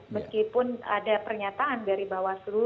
meskipun ada pernyataan dari bawaslu